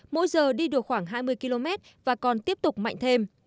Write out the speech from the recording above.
mỗi giờ đi được khoảng hai mươi km và còn tiếp tục mạnh thêm